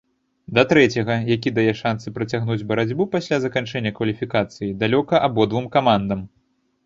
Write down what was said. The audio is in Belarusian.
Да трэцяга, які дае шансы працягнуць барацьбу пасля заканчэння кваліфікацыі, далёка абодвум камандам.